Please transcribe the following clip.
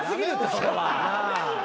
それは。